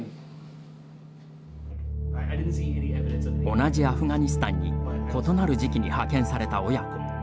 同じアフガニスタンに異なる時期に派遣された親子。